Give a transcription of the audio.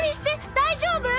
大丈夫？